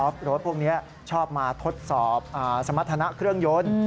รถพวกนี้ชอบมาทดสอบสมรรถนะเครื่องยนต์